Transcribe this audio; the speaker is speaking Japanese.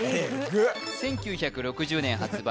１９６０年発売